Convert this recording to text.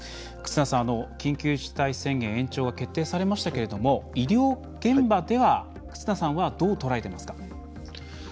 忽那さん、緊急事態宣言延長が決定されましたけれども医療現場では忽那さんはどうとらえていますか？